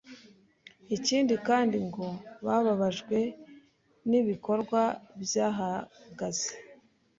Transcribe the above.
Ikindi kandi ngo bababajwe n’ibikorwa byahagaze